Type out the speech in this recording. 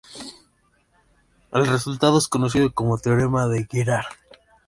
El resultado es conocido como Teorema de Girard.